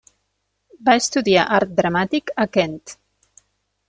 Va estudiar Art Dramàtic a Kent.